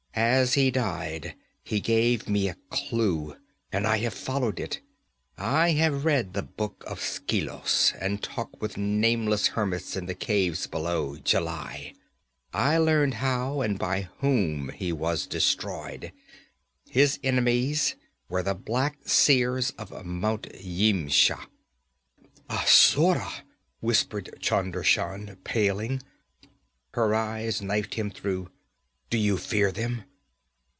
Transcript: As he died he gave me a clue, and I have followed it. I have read the Book of Skelos, and talked with nameless hermits in the caves below Jhelai. I learned how, and by whom, he was destroyed. His enemies were the Black Seers of Mount Yimsha.' 'Asura!' whispered Chunder Shan, paling. Her eyes knifed him through. 'Do you fear them?'